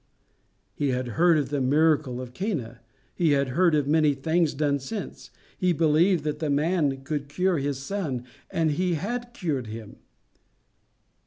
He had heard of the miracle of Cana; he had heard of many things done since: he believed that the man could cure his son, and he had cured him.